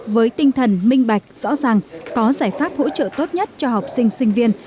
với tinh thần minh bạch rõ ràng có giải pháp hỗ trợ tốt nhất cho học sinh sinh viên